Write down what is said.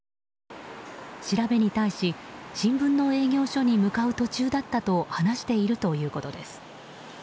調べに対し、新聞の営業所に向かう途中だったと話しているということです。